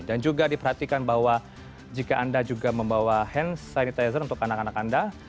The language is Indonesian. dan juga diperhatikan bahwa jika anda juga membawa hand sanitizer untuk anak anak anda